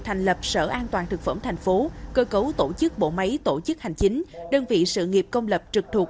thành phố cơ cấu tổ chức bộ máy tổ chức hành chính đơn vị sự nghiệp công lập trực thuộc